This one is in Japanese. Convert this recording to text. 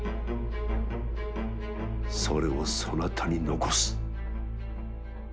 それをそなたに残す。